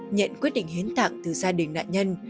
nhận quyết định hiến tặng từ gia đình nạn nhân